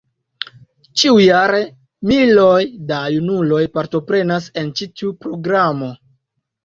Ĉiujare, miloj da junuloj partoprenas en ĉi tiu programo.